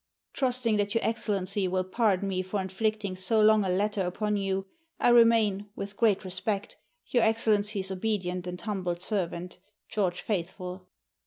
Trusting that your Excellency will pardon me for inflicting so long a letter upon you, I remain, with great respect, Your Excellency's obedient and humble servant, GEO. FAITHFULL.